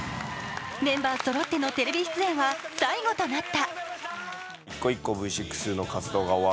メンバーそろってのテレビ出演は最後となった。